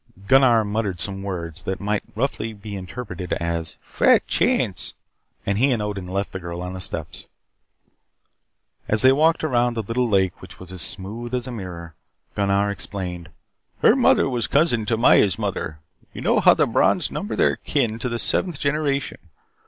Gunnar muttered some words that might be roughly interpreted as "Fat Chance" and he and Odin left the girl on the steps. As they walked around the little lake which was as smooth as a mirror, Gunnar explained. "Her mother was a cousin to Maya's mother. You know how the Brons number their kin to the seventh generation.